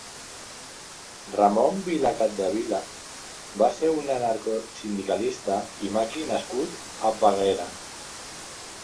Ramon Vila Capdevila va ser un anarcosindicalista i maqui nascut a Peguera.